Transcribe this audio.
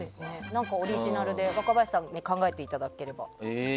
何かオリジナルで若林さんに考えていただければ。